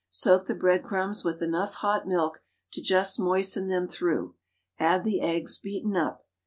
Soak the breadcrumbs with enough hot milk to just moisten them through, add the eggs beaten up.